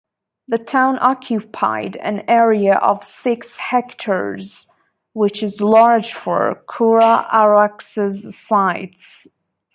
The town occupied an area of six hectares, which is large for Kura-Araxes sites.